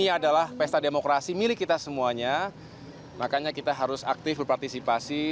ini adalah pesta demokrasi milik kita semuanya makanya kita harus aktif berpartisipasi